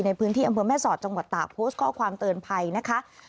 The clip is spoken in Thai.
ในพื้นที่อำเภอแม่สอดจังหวัดตากโพสต์ข้อความเตือนภัยนะคะ